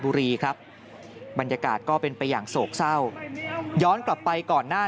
บุรีครับบรรยากาศก็เป็นไปอย่างโศกเศร้าย้อนกลับไปก่อนหน้า